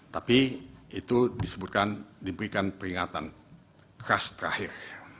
tapi itu disebutkan diberikan peringatan khas terakhir